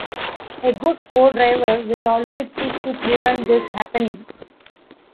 A good co-driver will always seek to prevent this happening.